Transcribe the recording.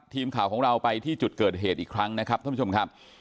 ทีมข่าวของเราไปที่จุดเกิดเหตุอีกครั้งนะครับท่านผู้ชมครับ